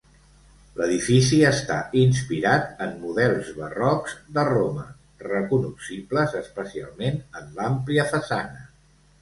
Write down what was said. L'edifici està inspirat en models barrocs de Roma, recognoscibles especialment en l'àmplia façana.